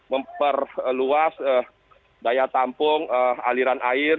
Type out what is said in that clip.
memperluas daya tampung aliran air